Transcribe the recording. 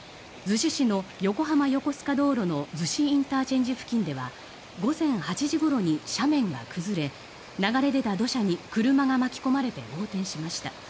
逗子市の横浜横須賀道路の逗子ＩＣ付近では午前８時ごろに斜面が崩れ流れ出た土砂に車が巻き込まれて横転しました。